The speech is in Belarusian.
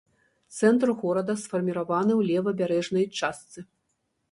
Цэнтр горада сфарміраваны ў левабярэжнай частцы.